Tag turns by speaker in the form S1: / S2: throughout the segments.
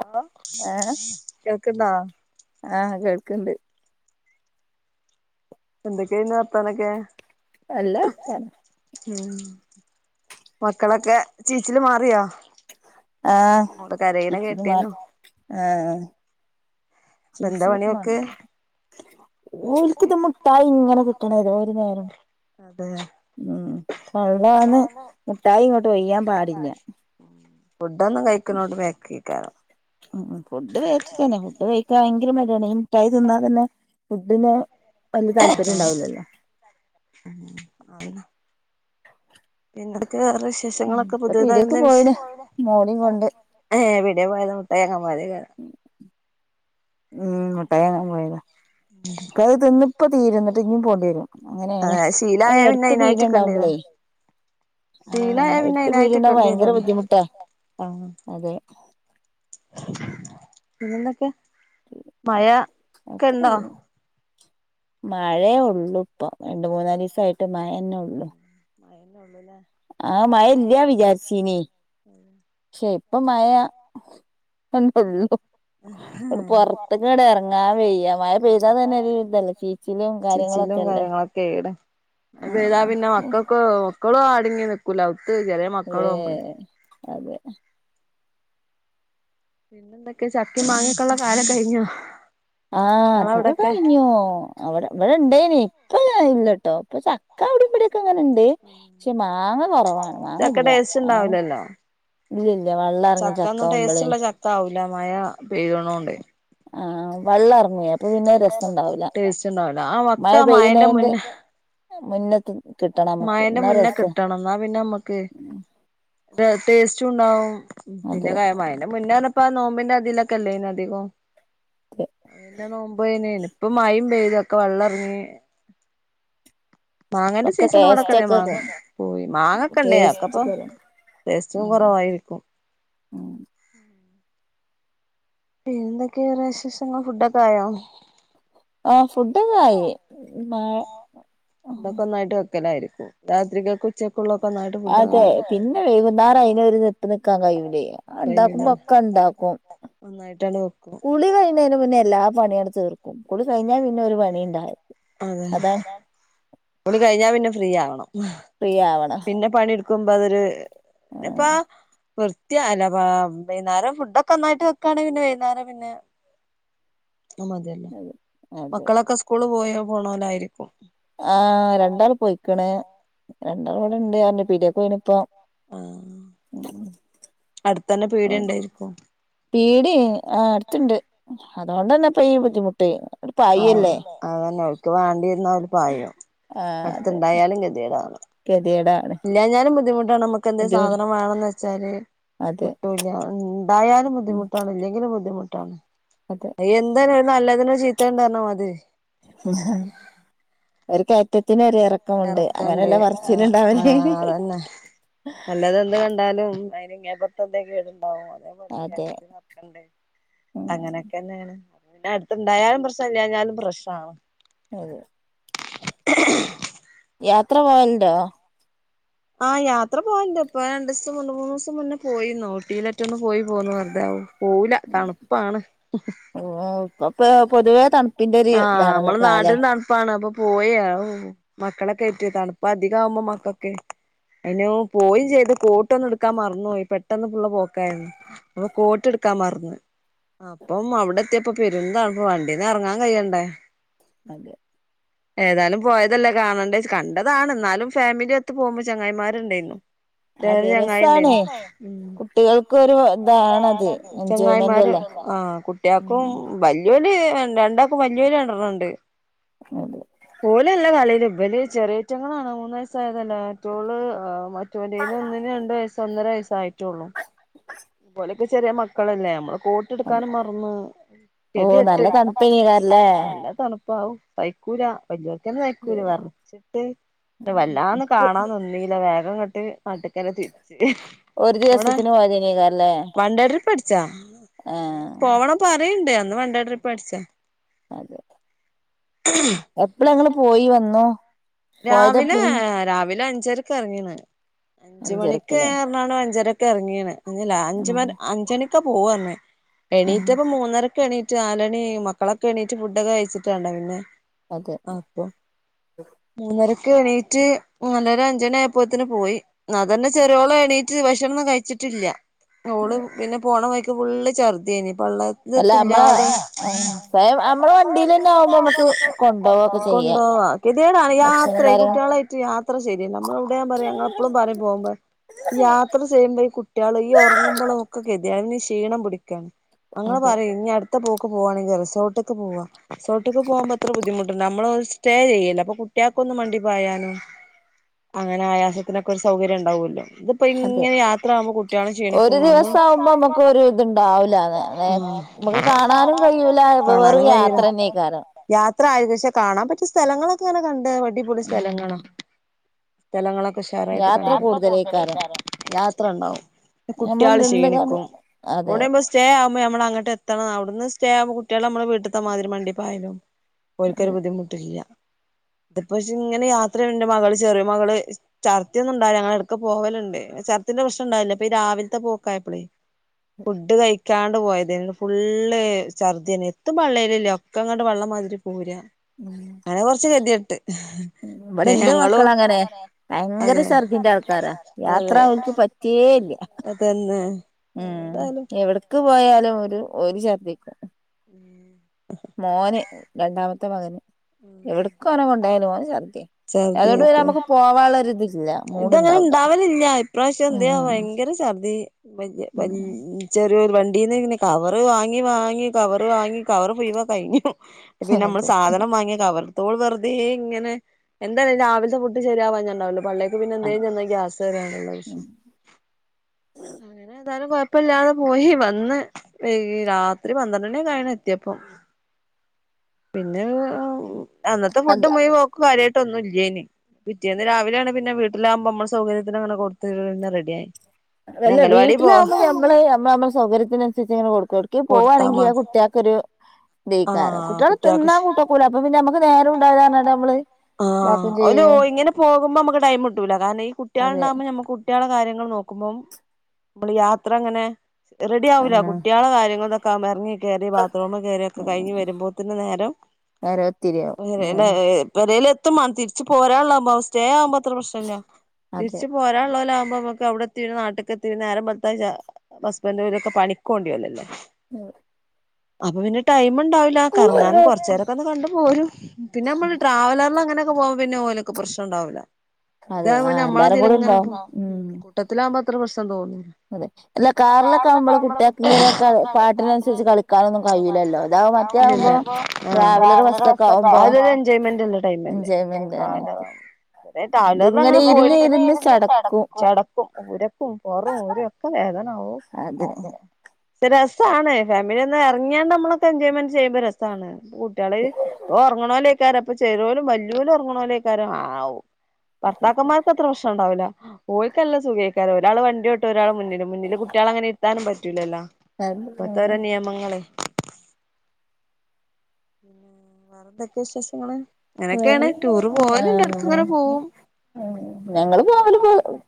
S1: Hello
S2: ഏഹ് ആഹ് കേൾക്കണ്ട്
S1: എന്തൊക്കെണ്ട് വർത്താനൊക്കെ
S2: നല്ലവർത്താനം
S1: ഉം മക്കളൊക്കെ ചീച്ചില് മാറിയോ
S2: ആഹ്
S1: മോള് കരയണ
S2: ചിച്ചില്
S1: കേട്ടിരുന്നു
S2: മാറി ആഹ്
S1: ഇപ്പൊഎന്താ പണിയൊക്ക്
S2: ഒൽക്ക്ത് മുട്ടായി ഇങ്ങനെ കിട്ടണ ഏതൊരു നേര ഉം
S1: അതെ
S2: ഉം അതാന്ന് മുട്ടായി ഇങ്ങോട്ട് ഒയ്യാൻ പാടില്ല
S1: ഫുഡൊന്നും കഴിക്ക്ണോട്ത് ബേക്ക്ക്ക് അയ്ക്കാരം
S2: ഉം ഉം ഫുഡ് കയ്ച്ചിട്ടന്നെ ഫുഡ് കഴിക്കാൻ ഭയങ്കര മടിയാണ് ഈ മുഠായി തിന്നാൽ തന്നെ ഫുഡിന് വലിയ താല്പര്യം ഉണ്ടാവില്ലല്ലോ
S1: ഉം [unintelligible] പിന്നെ ഇടക്ക് വേറെ
S2: ഉം
S1: വിശേഷങ്ങളൊക്കെ
S2: ഇപ്പൊ പീടിയേക്ക്
S1: പുതിയതായിരുന്ന വിശേ
S2: പോയിണ് മോളിം കൊണ്ട്
S1: ഏഹ് പിന്നേം പോയത മുട്ടായെങ്ങാ പൊയതെയ്ക്കാരം
S2: ഉം മുട്ടായെങ്ങാൻ പോയത പ്പഅത് തിന്ന് ഇപ്പോ തീരും ഇന്നിട്ട് ഇഞ്ഞും പോണ്ടിരും അങ്ങനെയണ്
S1: അതെ
S2: ഏ
S1: ശീലായ പിന്നെ
S2: എടുത്ത്
S1: അയിനായിട്ട് നിക്കണ്ടിവരും
S2: പീട്യണ്ടാവുമ്പോളേയ് ആഹ്
S1: ശീലായ
S2: ആഹ്
S1: പിന്നെ
S2: എട്ത്
S1: അയിനായിട്ട്
S2: പീട്യണ്ട ഭയങ്കര
S1: നിക്കണ്ടിവരും
S2: ബുദ്ധിമുട്ടാ
S1: ആ
S2: അതെ.
S1: പിന്നെന്തൊക്കെ? മയ.
S2: അത്രെള്ളൂ മഴയേ ഉള്ളു ഇപ്പൊ രണ്ട് മൂന്നാലിസായിട്ട് മഴന്നെ ഉള്ളു
S1: മയന്നെ ഉള്ളൂലെ
S2: ആഹ് മയ ഇല്ല വിചാരിച്ചീനെയ് പക്ഷെ ഇപ്പൊ മയ അതെന്നെള്ളു ഇണ്ട് പൊറത്ത്ക്ക് ഇങ്ങട് എറങ്ങാ വെയ്യ മായ പെയ്താ തന്നെ ഒരു ഇതല്ലെ ചീ
S1: ചിച്ചിലും കാര്യങ്ങളൊക്കെണ് മയ പെയ്താ
S2: ഉം
S1: പിന്നെ മക്കക്ക് മക്കളോ അടങ്ങി നിക്കൂല ഔത്ത് ജല
S2: ഏഹ് അതെ.
S1: പിന്നെന്തൊക്കെ ചക്കിം മാങ്ങിം.
S2: ആ അതൊക്കെ
S1: നിങ്ങളവിടൊക്കെ
S2: കയ് ഞ്ഞൂ അവിടെ ഇവിടെ ഇണ്ടേനെ ഇപ്പ ഇല്ലോട്ടോ ഇപ്പൊ ചക്ക അവിട ഇവ ടൊക്കെ ങ്ങനെ ഇണ്ട് ടേ ക്ഷെ മാങ്ങ കൊറവാണ് മാങ്ങ
S1: ചക്ക
S2: ഇല്ല
S1: ടേസ്റ്റ്
S2: മാങ്ങ.
S1: ഉണ്ടാവില്ലല്ലോ
S2: ഇല്ല ല്ല വള്ളർങ്ങ്യ ചക്കാവുമ്പളേ.
S1: താവുല മയ പെയ്യുണോണ്ടെ.
S2: ആഹ് വള്ളർങ്ങുയേ പ്പ ത് പിന്നെ രസണ്ടാവകല
S1: ടേസ്റ്റ് ഉണ്ടാവില്ല ആ
S2: മഴ
S1: മക്ക മഴന്റെ
S2: പെയ്യണെന്റെ
S1: മുന്നേ
S2: മുന്നത്ത്- കിട്ടണം നമുക്ക്
S1: മഴന്റെ
S2: എന്നാ
S1: മുന്നെ
S2: രസ
S1: കിട്ടണം ന്നാ പിന്നമ്മക്ക്. ര ടേസ്റ്റു. ണ്ടാവും
S2: അത്
S1: പിന്നെ കയ മയന്റെ മുന്നേർഞ- പ്പാ നോമ്പിന്റെ അതിലൊക്കെല്ലേനധികം. പിന്നെ നോമ്പെയിൻന് ഇപ്പ മയീം പെയ്തൊക്കെ വെള്ളർ ങ്ങി മാങ്ങന്റെ
S2: ഒക്കെ
S1: സീസൺ
S2: ടേസ്റ്റ്
S1: വടക്കന്ന
S2: ഒക്കെ
S1: മാങ്ങ പോയി മാങ്ങക്കെണ്ടേനി അഒക്കപ്പൊ.
S2: ടേസ്റ്റ്
S1: ടേസ്റ്റും കൊറവായിരിക്കും.
S2: ആഹ്
S1: പിന്നെന്തൊക്കെയ വേറെ വിശേഷങ്ങൾ ഫുഡൊക്കായോ?
S2: ആഹ് ഫുഡൊക്കായി മാഴ.
S1: തൊക്കൊന്നായ്ട്ട് വെക്കലായിരിക്കും രാത്രികക്ക്. ച്ചക്കുള്ളൊക്കൊന്നായ്ട്ട്.
S2: അതെ പിന്നെ വൈകുന്നേരം അയി നൊരു നിപ്പ് നിക്കാൻ കയ്യൂ ല്ലേയ് അഹ് ഉണ്ടാക്കുമ്പൊ ഒക്കെ ഉ ണ്ടാക്കും
S1: നന്നായിട്ടണ്ട് വെക്കും
S2: കുളി കഴിഞ്ഞതിന് മുന്നെ എല്ലാ പണിയണ്ട് തീർക്കും കുളി കഴിഞ്ഞാൽ പിന്നെ ഒരു പണീം ണ്ടാവില്ല
S1: അതെ കുളി കഴിഞ്ഞാ പിന്നെ ഫ്രീ ആവണം
S2: ഫ്രീയാവണം.
S1: പന്നെ പണിട്ക്കുമ്പതൊര് പ്പാ ധ്യാനവാ വൈന്നാരം ഫുഡൊക്കൊന്നായ്ട്ട് വെക്കാണെങ്കി പിന്നെ വൈന്നാരം പിന്നെ. അതു മതി
S2: അതെ അതെ
S1: മക്കളൊക്കെ സ്കൂള് പോയോ പോണോ ലായിരിക്കും
S2: ആഹ് രണ്ടാള് പൊയ്ക്ക്ണ് രണ്ടാള് വടണ്ട് അർഞ്ഞ് പീട്യേക്കോയ്ണ് പ്പൊ. [inaudible]
S1: അട്ത്തന്നെ പീട്യ ണ്ടേര്ക്കും.
S2: പീടി ആ അട്ത്ണ്ട് അതോണ്ടെന്നെപ്പ ഈ ബുദ്ധിമുട്ട് ട്ട് [unintelligible] പ.
S1: ആഹ് അതന്നെ അവക്ക് വേണ്ടി ര്ന്ന ഓല് പായും
S2: ആ അതെ
S1: അട്ത്ത്ണ്ടായാലും കത്യേടാണ്.
S2: ഗതികേടാണ്
S1: ഇല്ലാഞ്ഞാ ലും ബുദ്ധിമുട്ടാണ് നമുക്ക് എന്ത്
S2: ബുദ്ധിമുട്ട്
S1: സാധനം വാണം ന്ന് വെച്ചാല്
S2: അതെ
S1: കിട്ടുല്ലാ ണ്ടായാലും
S2: ഉം
S1: ബുദ്ധിമുട്ടാണ് ഇല്ലെങ്കിലും ബുദ്ധിമുട്ടാണ്
S2: അതെ
S1: അയെന്തരുതിനും നല്ലതിനൊരു ചീത്തേം ണ്ട്ന്നറയണ മാതിരി.
S2: ഉംഹും ഒരു കേറ്റത്തിന് ഒരെറക്
S1: എറക്കണ്ട് ആഹ് ആ അതന്നെ അല്ലതെന്ത് കണ്ട് എന്നാലും അയ്ന് ഇങ്ങേപ്പറത്തെന്തെങ്കിലും കേടുണ്ടാവും അതേ പോലെ
S2: അതെ
S1: [unintelligible]
S2: ഉം
S1: അങ്ങനൊക്കെന്നെണ് ഞാ അ ട്ത്ണ്ടായാലും പ്രശ്നല്ല ഇല്ലേഞാലും പ്രശ്നാണ്.
S2: അതെ. യാത്ര പോവാൻ ണ്ടോ
S1: ആഹ് യാത്ര പോവല് ണ്ട് ഇപ്പൊ ര ണ്ടീ സം രണ്ടു മൂന്നൂ സം മുന്നേ പോയിന്നൂ ഊട്ടിലെറ്റെ ഒന്ന് പോയി പോന്നു വെറുതെ പോവൂല തണുപ്പാണ്
S2: ഓ ഓഹ് അപ്പഴ പൊതുവേ തൺപ്പിന്റെരു താണല്ലോ കാലേ.
S1: ഇപ്പാണ് അപ്പൊ പോയെ ഓ മക്കളൊക്കെ എറ്റ് തണുപ്പ് അധിക ആവുമ്പോ മക്കൊക്കെ അയ്നോ പോയിം ചെയ്ത് കോട്ട് ഒന്ന് ഇട്ക്കാ മർന്നോയി പെട്ടെന്ന് പുള്ള പോക്കായിര്ന്നു. അപ കോട്ട്ട്ക്കാ മർന്ന് അപ്പം അവിടെത്തിയപ്പ പെരും തൺപ്പ് വണ്ടീന്നെർങ്ങാ- കയ്യണ്ടേ?
S2: അതെ
S1: [inaudible] ഏതായാലും പോയതല്ലേ കാണണ്ടെച്ചു, കണ്ടതാണ്, എന്നാലും ഫെമിലി ഒത്ത് പോകുമ്പോ ചങ്ങായിമാരുണ്ടേരുന്നു. വേറെ
S2: അതെ രസാണ്
S1: ചങ്ങായിണ്ടെർന്നു ഉം
S2: കുട്ടികൾക്കൊരു ഇതാണത് എൻജോയ്മെന്റ്
S1: ചെങ്ങായിമാരും
S2: അല്ലേ
S1: ആ കുട്ടിയാക്കും
S2: ഉം
S1: വല്ല്യോല് രണ്ടാക്കും വല്ല്യന് രണ്ടെണ്ണം ണ്ട്.
S2: അതേ
S1: ഒല്നല്ല കളീല് ഇമ്പല് ചെറീറ്റങ്ങളാണ് മൂന്നു വയസ്സായതല്ലെ മറ്റോള് ആ മ മറ്റോന്റേന് ഒന്നിന് രണ്ട് വയസ്സ് ഒന്നര വയസ്സായിട്ടേള്ളൂ. ഒലൊക്കെ ചെറിയ മക്കളല്ലേ നമ്മള് കോ
S2: അതെ
S1: ട്ടെടുക്കാനും മറന്നൂ
S2: ഓ
S1: കെതെട്ട്
S2: നല്ല തണുപ്പേനീകാരല്ലേ
S1: നല്ല തണുപ്പാ ഹാവൂ സയ്ക്കൂലാ വെല്ല്യോര്ക്കെന്നെ വയ്ക്കൂല വെറച്ചിട്ട് പിന്നെ വല്ലാന്ന്
S2: ഇപ്പൊ
S1: കാണാൻന്നിന്നീല്ല വേഗങ്ങട്ട് നാട്ട്ക്കന്നെ തിരിച്ച്
S2: ഒരു ദിവസത്തിന് പോയതെയ്കക്കാരല്ലേ?
S1: വണ്ടെ ട്രിപ്പടിച്ചാ പോവണ പറയണ്ടേ അന്ന് വണ്ടേ ട്രിപ്പ് അടിച്ചെ
S2: അതെ എപ്പള ങ്ങള് പോയി വന്നു? പോയത്
S1: രാവിലെ
S2: എപ്പളേനി
S1: രാവിലെ അഞ്ചരക്ക് ഇറങ്ങീണ് അഞ്ചുമണിക്ക്
S2: അഞ്ചരക്കല്ലേ
S1: എറങ്ങാണ്റഞ്ഞു അഞ്ചരക്കെറങ്ങിയണ് ന്നാല് അ
S2: ഉം
S1: അഞ്ച അഞ്ച് മണിക്കെ പോവാ ന്നെ.
S2: ഉം
S1: എണീറ്റപ്പ മൂന്നരക്കെണീറ്റ് നാലണിആയി മക്കളൊക്കെ എണീറ്റ് ഫുഡൊക്കെ കഴിച്ചിട്ട് വേണ്ടേ പിന്നെ
S2: അതെ.
S1: [unintelligible] മൂന്നരക്കെണീറ്റ് നാലര അഞ്ചുണി ആയപ്പോത്തേന് പോയി. അതന്നെ ചെറിയോള് എണീറ്റ് ഭക്ഷണോ ന്നും കഴിച്ചിട്ടില്ല. ഓള് പിന്നെ പോണ വഴിക്ക് ഫുള്ള് ച ർദ്ദിയാനി ഇപ്പ ഒള്ള
S2: അല്ല നമ്മളെ
S1: ഇതൊക്കില്ലാതെ,
S2: ആഹ് സ്വയം നമ്മളെ വണ്ടിയിലെന്നെ ആവുമ്പോ നമുക്ക് കൊണ്ടോവൊക്കെ
S1: [inaudible]
S2: ചെയ്യാ
S1: കൊണ്ടോവാം ആണ് യാത്രയെ
S2: ഭക്ഷണം
S1: കുട്ടികളുവായിട്ട് യാത്ര
S2: കാര്യം
S1: കുട്ട്യോള് ആയിട്ട് യാത്ര ശരിയല്ല നമ്മളെവിടെയാവുമ്പോ എന്താപറയാ, ഞാൻ എപ്പളും പറയും പോകണ്ടാന്നു. യാത്ര ചെയ്യുമ്പോ ഈ കുട്ടികൾ യ്യൊ റങ്ങുമ്പോള് മോക്കകെ തിയങ്ങു ക്ഷീണം പിടിക്കാണ് ഞങ്ങള്
S2: അതെ
S1: പറയും ഇനി അടുത്ത ത്ത പോക്ക് പോവാണെങ്കിൽ റിസോർട്ടേക്ക് പോവ്വ. റിസോർട്ടക്ക് പോകുമ്പ അത്ര ബുദ്ധിമുട്ടല്ല നമ്മള്അവിട സ്റ്റേ ചെയ്യല്ലേ അപ്പ കു ട്ടിയക്കൊന്ന് മണ്ടി പായാനോ അങ്ങനെ ആയാസത്തിനൊക്കെ ഒരു സൗകര്യം ഉണ്ടാവുമല്ലോ ഇതു ഇപ്പൊ
S2: അതെ
S1: ഇങ്ങനെ യാത്ര ആവുമ്പോ കുട്ടികളും ക്ഷീണിക്കും
S2: ഒരു ദിവസം ആവുമ്പോ നമുക്ക് ഒരു ഇത്ണ്ടാവൂല നേ നമുക്ക് കാണാനും കഴിയൂല വെറും യാത്രന്നേക്കാരം
S1: യാത്ര ആയിരുന്നു, പക്ഷെ കാണാൻ പറ്റിയ സ്ഥലങ്ങളൊക്കെങ്ങനെ കണ്ട് അടിപൊളി
S2: ഉം
S1: സ്ഥലങ്ങളാ സ്ഥലങ്ങളൊക്കുഷാറായിട്ട് കണ്ടോ.
S2: യാത്ര കൂടുതലേക്കാരം
S1: യാത്രകൂടുതലുണ്ടാവും യാത്ര ണ്ടാവും
S2: ഞമ്മള്
S1: കുട്ട്യാള്
S2: നിന്ന്കാണ്ട്
S1: ക്ഷീണിക്കും
S2: അതെ
S1: ഏടെയെങ്കിലും സ്റ്റേ ആവുമ്പോ നമ്മൾ അങ്ങട്ട് ആ അവിടുന്ന് സ്റ്റേ ആവുമ്പോ കുട്ടികള് നമ്മള് വീട്ടിത്തെ മാതിരി മണ്ടിപ്പാ യുമ്പം ഓരിക്കൊരു
S2: അതെ
S1: ബുദ്ധിമുട്ടില്ല. ഇതിപ്പോക്ഷെ ഇങ്ങനെ യാത്രചെയ്യണ്ട് മകള് ചെറിയ മകള് ചർദി ഒന്നും ഉണ്ടാവില്ല ഞങ്ങളെടക്ക് പോവലുണ്ട് ഛർദി ന്റെ പ്രശ്നംണ്ടാവില്ലപ്പൊ ഈ രാവിലത്തെ പോക്കായപ്പളേ ഫുഡ് കഴിക്കാണ്ട് പോയതാണ് ഫുള്ള്ചർദി ന്നെ എത്തും പള്ളേല്ലല്ല ഒക്കെ അങ്ങോട്ട് വള്ളം മാതിരി പൂരാ
S2: ഉം
S1: അങ്ങനെ കുറച്ച് ഗതികെട്ട് പിന്നെ
S2: ഇവിടെന്റെ
S1: ഞങ്ങളും
S2: മക്കളങ്ങനെയ. ഭയങ്കര ഛർദിന്റെ ആൾ ക്കാരാ യാത്ര
S1: അതെ
S2: അവൾക്ക് പറ്റുകേയില്ല.
S1: അതന്നെ
S2: ഉം
S1: ഏതായാലും
S2: എവിടെ ക്ക് പോയാലും ഓരു ഓരു ച്ചർ ദ്ധിക്കും.
S1: ഉം
S2: മോന് രണ്ടാമത്തെ മകന്
S1: ഉം
S2: എവിടെ ക്ക് ഒനെകൊണ്ടായാലും ഓന് ചർദിയ അതുകൊണ്ട്
S1: ഛർദിയായിരിക്കും
S2: നമുക്ക് പോവാള്ളരി തില്ല
S1: ഇതങ്ങനെ ഉണ്ടാവലില്ല ഇപ്രാവശ്യം എന്ത്യാ
S2: ഉം
S1: ഭയങ്കര ഛർദി വല്
S2: ഉം
S1: ചെറിയൊരു വണ്ടിന്ന് ഇങ്ങനെ കവറ് വാങ്ങി വാങ്ങി കവറ് വാങ്ങി കവറ് മുയുവൻ കഴിഞ്ഞു പിന്നെ മ്മള് സാധനം വാങ്ങിയ കവർ മൂ ത്തോൾ വെറുതെ ഇങ്ങനെ എന്താലെ രാവിലത്തെ ഫുഡ് ശരിയാവാ ഞ്ഞുണ്ടാവല്ലോ പള്ളേല് പിന്നെ എന്തേലും ചെന്നാ ഗ്യാസ് യേറും വിശ്യം അങ്ങനെ ഏതാലും കൊഴപ്പില്ലാതെ പോയി വന്ന് രാത്രി പന്ത്രണ്ട ണ്ണിആയി ണ്എത്തിയപ്പം പിന്നെ ഓ ഓ അന്നത്തെ ഫുഡ്
S2: അതെ
S1: മുയി പോക്കും കാര്യമായിട്ട് ഒന്നും ഇല്ലേന് പിറ്റേന്ന് രാവിലെയാണ് പിന്നെവീ ട്ടി ലാവുമ്പോ നമ്മ സൗകര്യത്തിനങ്ങനെ കൊടുത്ത് റെഡിയായി
S2: അത്
S1: പിന്നെ
S2: അല്ല
S1: അംഗൽവാടി പോ
S2: വീട്ടിലാവുമ്പോ ഞ മ്മ ള് നമ്മ സൗകര്യത്തിനുസരിച്ച് കൊടുക്കല്ലോ
S1: കൊടുത്താ
S2: ഒട്കെപോവാണെങ്കിൽ ആ
S1: മതി
S2: കുട്ടിയാക്കൊരു ദഹി ക്കാരം
S1: ആഹ്
S2: കുട്ടികൾ
S1: കുട്ടികൾക്ക്
S2: തിന്നാ കൂട്ടാ ക്കൂല അപ്പൊ പിന്നെ നമുക്ക് നേരം ഉണ്ടാവൂലാനായിട്ട് നമ്മള്
S1: ആഹ്
S2: ഇതാക്കും
S1: ഓര്
S2: ചെയ്യും
S1: ഇങ്ങനെ പോകുമ്പോ നമുക്ക് ടൈം കിട്ടൂല്ല കാരണം ഈ കുട്ടിയാ
S2: അതെ
S1: ളുണ്ടാകുമ്പോ നമ്മക്ക് കുട്ട്യാളെ കാര്യങ്ങൾ നോക്കുമ്പോം നമ്മള് യാത്ര അങ്ങനെ റെഡി ആവില്ല
S2: ഉം
S1: കുട്ട്യാളെ കാര്യം മിറങ്ങി കയറി ബാത്റൂം കയറി ഒക്കെ കഴിഞ്ഞ് വരുമ്പോ തന്നെ നേരം
S2: എത്തിരിയാ അങ്ങനെ
S1: പൊരലെത്തുംമാണം തിരിച്ച് പോരാനുള്ള ബ സ്റ്റേ ആവുമ്പോ അത്ര പ്രശ്നമല്ല
S2: അതെ
S1: തിരിച്ച് പോരാനുള്ളലാആകുമ്പോക്ക് അവിടെ എത്തിരു നാട്ടിലക്കെത്തി. നേരംമ്പള്ത്താ ഹസ്ബൻ്റലൊക്കെ പണിക്കോഡിയോ ലാലേ
S2: ഉം
S1: അപ്പൊ പിന്നെ ടൈം ഉണ്ടാവില്ല കറങ്ങാൻ കൊറച്ച നേര ഒന്ന് കണ്ട പോലും പിന്നെ നമ്മള് ട്രാവലറൽ അങ്ങനൊക്കെ പോക്പ പിന്നെ ഓനക്ക് പ്രശ്നം ഉണ്ടാവില്ല
S2: അതെ
S1: ഇതാമ്പോ
S2: ആഹ്
S1: നമ്മള
S2: എല്ലാരും
S1: അതില
S2: കൂടി
S1: ഇങ്ങനെ
S2: ഉണ്ടാവും
S1: പോ
S2: ഉം
S1: കൂട്ടത്തിലാവുമ്പോ അത്ര പ്രശ്നം തോന്നുല്ല
S2: അതെ അല്ല
S1: പിന്നെ കാറിലൊക്കെ
S2: ആവുമ്പള്
S1: ആവുമ്പള പിന്നെ
S2: കുട്ടികൾക്ക്
S1: കുട്ട്യാ
S2: ഇങ്ങനെ
S1: കൊക്കെ പാട്ടിനനുസരിച്ച്
S2: കളിക്കാനൊന്നും കഴിയൂലല്ലോ ഇതാവും മറ്റേ
S1: കളിക്കാനൊന്നുംകയ്യൂല്ലല്ലോതാവുമ്പോ
S2: ആവുമ്പോ
S1: കഴിയില്ലോ ട്രാവലർ
S2: ബസ്സൊക്കെ
S1: ബസ്
S2: ആവുമ്പോ
S1: അതല്ല എൻജോായ്മെന്റ് ഉള്ള ടൈമ അല്ലേ
S2: എൻജോയ്മെന്റ് ആണ്
S1: ഇവ ടാവലറിൽ
S2: ഇതിങ്ങനെ
S1: അങ്ങനെ
S2: ഇരുന്ന്
S1: പോയിട്ടില്ല ഇരുന്ന് ഇര്
S2: ചടക്കും
S1: ന്ന് ചടക്കും പൊറും ഊര്യംഒക്കെ വേദനവും
S2: അതെ
S1: രസാ ആണ്ഫാമിലി ഒന്ന് ഇറങ്ങാണ്ട് നമ്മളക്കെ എൻോയ്മെന്റ് ചെയുമ്പോ രസ റസാണ് കുട്ടികളെ ഉറങ്ങണലേക്കാരം അപ്പൊ ചെറിയലും വല്യോ ഓലും ഉറങ്ങണ ക്കാരം ആവും ഭർത്താക്കന്മാർക്ക് അത്ര പ്രശ്നം ഉണ്ടാവൂല്ല ഓൽക്ക് നല്ല സുഖക്കാരം ഒരാൾ വണ്ടി ഓട്ടാഒരാൾ മുന്നിൽ മുന്നില് കുട്ട്യാളെ അങ്ങനെ ഇരുത്താനും പറ്റൂലല്ലോ ഇപ്പത്തോര
S2: ആഹ്
S1: നിയമങ്ങളെ പിന്ന വേറെ എന്തൊക്കെ വിശേഷങ്ങള് ഇങ്ങനെയൊക്കെയാണ് ടൂറ് പോവലുണ്ട് ഇടക്ക് ഇങ്ങനെ പോകും
S2: ഉം ഞങ്ങള് പോവല്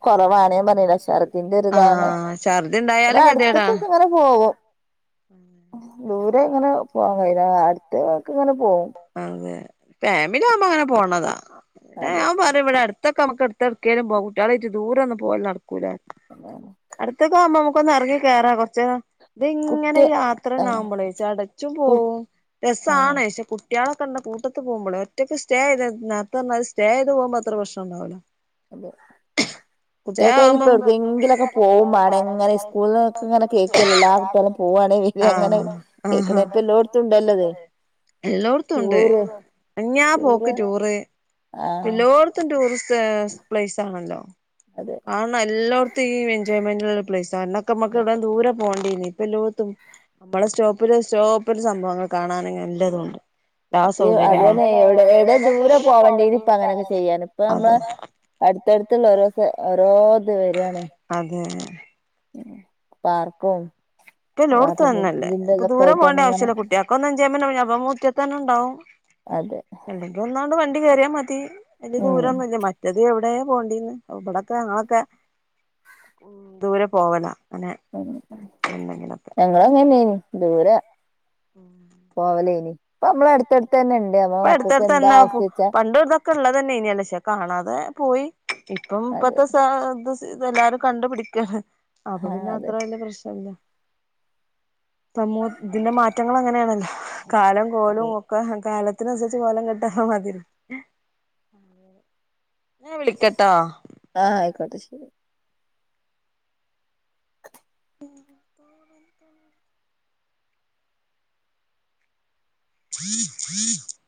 S2: കൊറവാണ് ഞാ പാറഞ്ഞിലെ ചർ ദി ണ്ടേയ് ന്തൊര്താണ്
S1: ആഹ് ഛർദി
S2: ഇതാ
S1: ഉണ്ടായാലും
S2: അ
S1: ഗതികേടാ
S2: ക് ങ്ങ നൊരു പോകും ദൂരെ ഇങ്ങനെ പോവാൻ കയിയൂല അടുത്തക്ക് ഇങ്ങനെ പോവും
S1: അതെ. ഫാമിലി ആവുമ്പോ അങ്ങനെ പോണതാ. പിന്നെ
S2: അതെ
S1: ഞാൻ പറിം ഇവിടെ അടു തൊക്കെ അമ്മക്ക് ഇട്ത് എവട്കേലും പോക. കുട്ടിയേ ളിയായിട്ട് ദൂരൊന്നും പോവല് നടക്കൂല.
S2: [unintelligible]
S1: അടുത്തൊക്ക ആവുമ്പോ നമുക്കൊന്ന് ഇറങ്ങി കേയറാ കുറച്ചേരം ഇത് ഇങ്ങനെ
S2: കുട്ടി
S1: യാത്രാ
S2: ആ
S1: ന്നാവുമ്പോളേ ച ടച്ചും
S2: കു
S1: പോവും
S2: ആ
S1: രസമാണ് പക്ഷേ കു കുട്ടികളൊക്കെ കൂട്ടത്ത് പോവുമ്പോള് ഒറ്റക്ക് സ്റ്റേ ചെയ്ത് നേരത്തെ പറഞ്ഞൽ സ്റ്റ ചെയ്ത് പോക്മ്പോ അത്ര പ്രശ്നം ഒന്നും ഉണ്ടാവൂല
S2: അതെ
S1: സ്റ്റേ
S2: കുട്ടികൾക്ക്
S1: ആവുമ്പോ
S2: ഇനിയിപ്പോ എവിടക്കെങ്കിലൊക്കെ
S1: ഒട്ക്കങ്കിലൊക്കെ
S2: പോവും
S1: പോകും മാണം ഇങ്ങനെ
S2: സ്കൂളിലൊക്കെ ഇങ്ങനെ കേൾക്കല്ലേ എല്ലാ കുട്ടികളും പോവാണെ
S1: [unintelligible]
S2: വരാ അങ്ങനെ
S1: ആഹ ആഹ്
S2: കേൾക്കണ ഇപ്പ എല്ലോടത്തും ഉണ്ടല്ലോത്
S1: എല്ലോട്ത്തും ണ്ട്
S2: ടൂറ്
S1: അനങ്ങാ പോക്ക് ടൂറ്
S2: ആഹ്
S1: എല്ലോട്ത്തും എലോടത്തും ടൂറിസ്റ്റ് പ്ലേ പ്ലേസ് ആണല്ലോ
S2: അതെ
S1: ആന്ന്. എല്ലോട്ത്തു ഈ എൻജോയ്മെന്റ്ള്ള പ്ലയ്സ. അ ന്നൊക്കെ മ്മക്ക് വൻ
S2: അതെ
S1: ദൂരെ പോണ്ടിനി. ഇപ്പല്ലൊ [inaudible] [unintelligible] നപ്പളെ സ്റ്റോപ്പില് സ്റ്റോപ്പില് സംഭവങ്ങൾ കാണാനന്നല്ലതുണ്ട്.
S2: മറ്റെ അതന്നെ എടെ എവിടെ ദൂരെ പോവണ്ടീനി പ്പ അങ്ങനെയൊക്കെ ചെയ്യാന്. ഇപ്പ
S1: അതെ
S2: അമ്മളെ അടുത്തടുത്തുള്ള ഓരോ സ ഓരോ.. ഇത് വരാണ്
S1: അതെ.
S2: പാർക്കും.
S1: ഇപ്പല്ലോട്ത്തും
S2: വാട്ടർ
S1: അതന്നല്ലേ.
S2: ഇതിന്റെ
S1: ഇപ്പൊ
S2: ഇതൊക്കെ
S1: ദൂരം
S2: ആയിട്ട്
S1: പോണ്ട
S2: അങ്ങനെ
S1: ആവശ്യല്ല. കുട്ട്യോൾക്കൊന്ന് എൻജോയ് മെന്റ് [unintelligible] അപ്പ മുറ്റത്തന്നെ ഉണ്ടാവും.
S2: അതെ
S1: അല്ലെങ്കിൽ ഒന്നാണ്ട് വണ്ടി കേറിയാ മതി. വല്യ
S2: ഉം
S1: ദൂരൊന്നുല്ല. [unintelligible] റ്റത് എവിടേ പോണ്ടിന്ന്. ഇവടത്ര ഞങ്ങളൊക്കെ അയ്ക്കു ടൊക്കെ ഞങ്ങളൊക്കെ ദൂരെ പോവല. അങ്ങനെ
S2: ഉം.
S1: എന്തെങ്കിലൊക്കെ
S2: ഞങ്ങളങ്ങനെന്നേനി. ദൂര
S1: [inaudible]
S2: പോവലേനി. ഇപ്പ നമ്മള അടുത്തടുത്ത് തന്നെ ണ്ട്. അപ്പൊ മക്കൾക്ക് എന്താ ആവസ്യച്ചാ.
S1: ക്ക ഉള്ളതന്നെ ഏനിയല്ലൊ. ക്ഷെ കാണാതെ പോയി. ഇപ്പം
S2: അതെ
S1: ഇപ്പത്തെ സ് ആഹ്ത് സെ [unintelligible] എല്ലാരും കണ്ടു പിടിക്കാണ്. അപ്പൊ
S2: ആ
S1: പിന്നെ
S2: അതെ
S1: അത്ര വല്ല പ്രശ്നല്ല. സമൂഹ [unintelligible] ഇതിന്റെ മാറ്റങ്ങള് അങ്ങനെയാണല്ലോ. കാലം കോലും
S2: അതെ
S1: ഒക്കെ കാല [inaudible] അതിനനുസരിച്ച് കോലം കെട്ടാ ഹാ മാതിരി. ഞാ വിളിക്കട്ടോ.
S2: ആഹ്, അയിക്കോട്ടെ. ശരി.
S1: [inaudible] [unintelligible] [unintelligible]